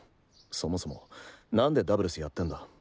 そもそもなんでダブルスやってんだ。